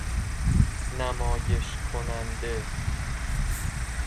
نمایش کننده